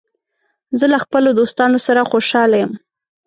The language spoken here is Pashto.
زه له خپلو دوستانو سره خوشاله یم.